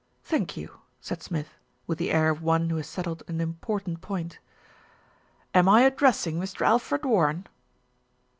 "Thank you," said Smith, with the air of one who has settled an important point. "Am I addressing Mr. Alfred Warren?"